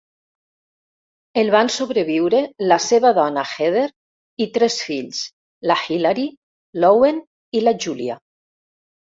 El van sobreviure la seva dona Heather i tres fills, la Hilari, l'Owen i la Julia.